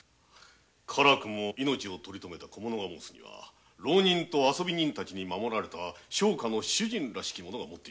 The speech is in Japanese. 命をとりとめた小者が申すには浪人たちに守られた商家の主人らしき者が持っていたとか。